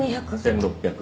１６００。